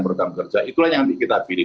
program kerja itulah yang nanti kita pilih